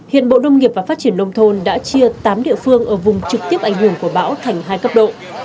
hiện bộ nông nghiệp và phát triển nông thôn đã chia tám địa phương ở vùng trực tiếp ảnh hưởng của bão thành hai cấp độ